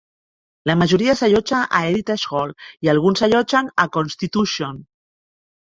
La majoria s'allotja a Heritage Hall i alguns s'allotgen a Constitution.